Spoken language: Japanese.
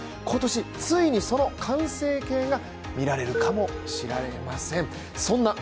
今年ついに、その完成形が見られるかもしれません。